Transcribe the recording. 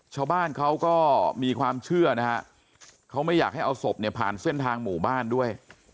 ชาวบ้านเขาก็มีความเชื่อนะฮะเขาไม่อยากให้เอาศพเนี่ยผ่านเส้นทางหมู่บ้านด้วย